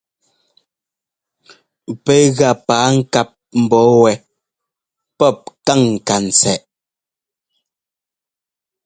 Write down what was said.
Pɛ́ gá paa-ŋkáp mbɔ̌ wɛ́ pɔ́p káŋ ŋkantsɛꞌ.